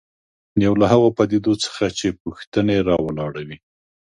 یو له هغو پدیدو څخه چې پوښتنې راولاړوي.